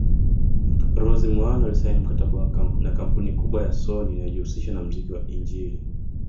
Rose Muhando alisaini mkataba na kampuni kubwa ya sony inayojihusisha na mziki wa injili